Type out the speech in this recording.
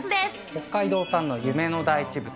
北海道産の夢の大地豚。